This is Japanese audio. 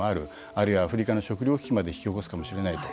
あるいはアフリカの食糧危機まで引き起こすかもしれないと。